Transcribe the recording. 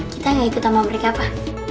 kita nggak ikut sama mereka apa